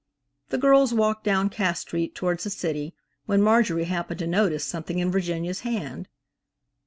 The girls walked down Cass street towards the city, when Marjorie happened to notice something in Virginia's hand.